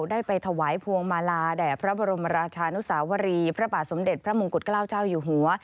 ได้ไปถวายพวงมาลาแด่พระบรมราชานุสาวรีพระบาทสมเด็จพระมงกุฎเกล้าเจ้าอยู่หัว